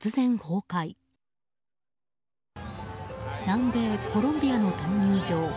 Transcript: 南米コロンビアの闘牛場。